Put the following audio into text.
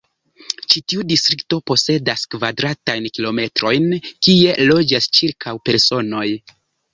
Ĉi tiu distrikto posedas kvadratajn kilometrojn, kie loĝas ĉirkaŭ personoj.